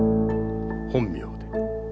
本名で。